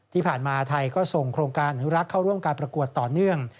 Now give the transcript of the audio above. ที่ผ่านมาไทยก็ส่งโครงการอนุรักษ์เข้าร่วมการประกวดต่อเนื่อง